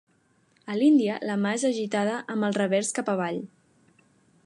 A l'Índia, la mà és agitada amb el revers cap avall.